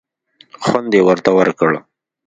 خوند یې ورته ورکړ.